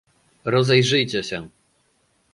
"Rozejrzyjcie się"